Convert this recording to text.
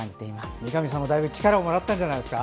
三上さんもだいぶ力をもらったんじゃないですか？